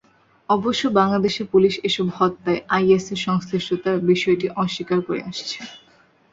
অবশ্য বাংলাদেশের পুলিশ এসব হত্যায় আইএসের সংশ্লিষ্টতার বিষয়টি অস্বীকার করে আসছে।